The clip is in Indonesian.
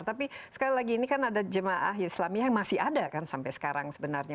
tapi sekali lagi ini kan ada jemaah islamia yang masih ada kan sampai sekarang sebenarnya